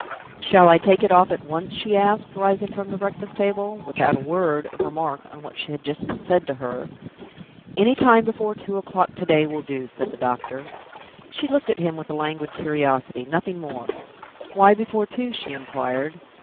"Shall I take it off at once?" she asked, rising from the breakfast table, without a word of remark on what had just been said to her. "Anytime before two o'clock to day will do," said the doctor. She looked at him with a languid curiosity nothing more. "Why before two?" she inquired.